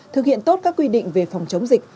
thực hiện tốt các quy định về phòng chống dịch